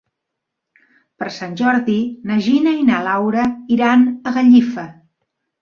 Per Sant Jordi na Gina i na Laura iran a Gallifa.